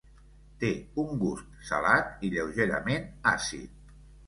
Té un gust salat i lleugerament àcid.